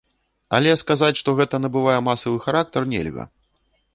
Але сказаць, што гэта набывае масавы характар, нельга.